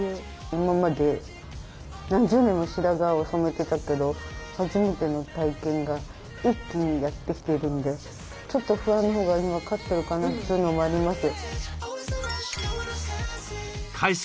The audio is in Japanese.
今まで何十年も白髪を染めてたけど初めての体験が一気にやって来ているんでちょっと不安のほうが今は勝ってるかなというのもあります。